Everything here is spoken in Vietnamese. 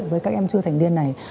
với các em chưa thành điên này